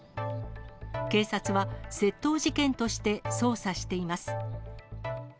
警察は、窃盗事件として捜査しています。